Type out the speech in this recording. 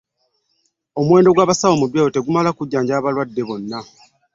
Omuwendo gw'abasawo mu malwaliro tegumala kujjanjaba balwadde bonna.